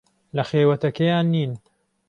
لە خێوەتەکەیان نین.